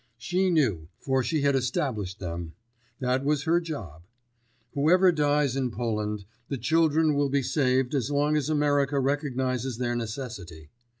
She knew, for she had established them; that was her job. Whoever dies in Poland, the children will be saved as long as America recognises their necessity.